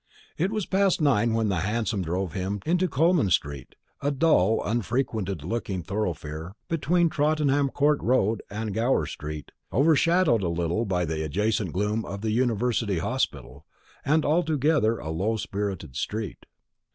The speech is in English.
It was past nine when a hansom drove him into Coleman street, a dull unfrequented looking thoroughfare between Tottenham court road and Gower street, overshadowed a little by the adjacent gloom of the University Hospital, and altogether a low spirited street.